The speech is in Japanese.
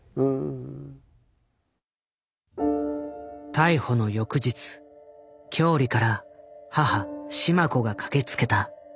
逮捕の翌日郷里から母・志満子が駆けつけた。